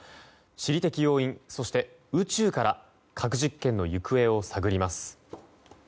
地理的要因、そして宇宙から核実験の行方を探ります。